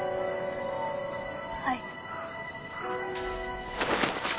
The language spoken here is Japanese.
はい。